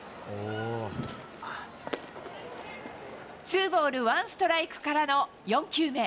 ツーボールワンストライクからの４球目。